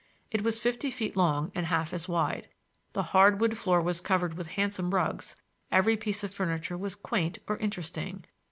It was fifty feet long and half as wide. The hard wood floor was covered with handsome rugs; every piece of furniture was quaint or interesting.